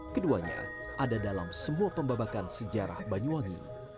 keduanya ada dalam semua pembabakan sejarah banyuwangi